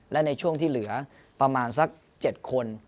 และในช่วงที่เหลือประมาณสัก๗คน